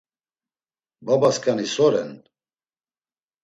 Babaskani so ren?